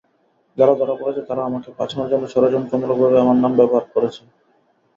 যারা ধরা পড়েছে, তারা আমাকে ফাঁসানোর জন্য ষড়যন্ত্রমূলকভাবে আমার নাম ব্যবহার করেছে।